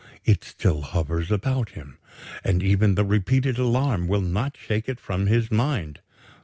It still hovers about him, and even the repeated alarm will not shake it from his mind.